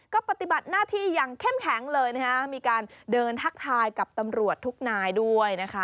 ก็ปฏิบัติหน้าที่อย่างเข้มแข็งเลยนะคะมีการเดินทักทายกับตำรวจทุกนายด้วยนะคะ